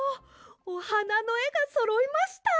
おはなのえがそろいました！